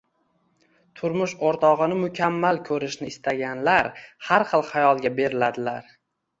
Turmush o‘rtog‘ini mukammal ko‘rishni istaganlar har xil xayolga beriladilar.